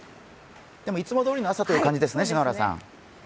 でもいつもどおりの朝という感じですね。